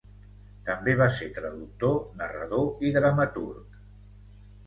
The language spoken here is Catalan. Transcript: També va ser traductor, narrador i dramaturg.